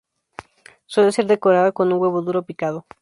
Suele ser decorada con huevo duro picado.